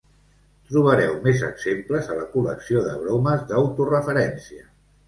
Trobareu més exemples a la col·lecció de bromes d'autoreferència.